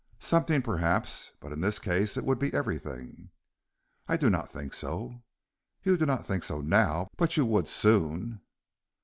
"Something, perhaps; but in this case it would be everything." "I do not think so." "You do not think so now; but you would soon."